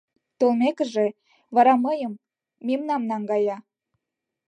Толмекыже, вара мыйым... мемнам наҥгая...